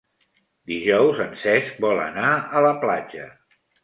Dijous en Cesc vol anar a la platja.